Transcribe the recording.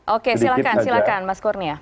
oke silahkan silahkan mas kurnia